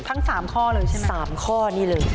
ทั้ง๓ข้อเลยใช่ไหมครับ๓ข้อนี้เลย